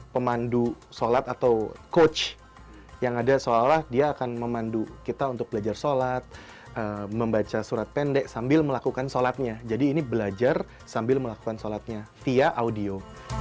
pemandu sholat atau coach yang ada seolah olah dia akan memandu kita untuk belajar sholat membaca surat pendek sambil melakukan sholatnya jadi ini belajar sambil melakukan sholatnya via audio